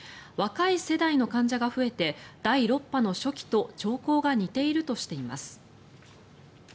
若い世代の患者が増えて第６波の初期と兆候が似ているとしています。